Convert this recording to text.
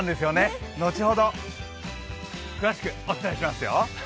後ほど詳しくお伝えしますよ。